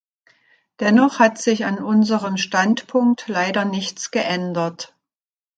Dennoch hat sich an unserem Standpunkt leider nichts geändert.